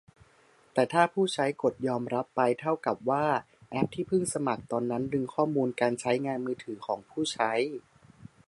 แต่ถ้าผู้ใช้กดยอมรับไป เท่ากับว่าแอปที่เพิ่งสมัครตอนนั้นดึงข้อมูลการใช้งานมือถือของผู้ใช้